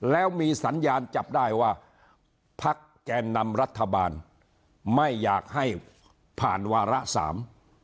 แล้วมีสัญญาณจับได้ว่าพักแกนนำรัฐบาลไม่อยากให้ผ่านวาระสาม